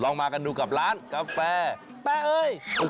อ๋อลองมากันดูกับร้านกาแฟแป๊เอ๊ย